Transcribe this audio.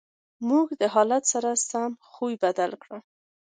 موږ د حالت سره سم خوی بدل کړو.